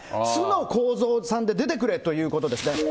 素の公造さんで出てくれということですね。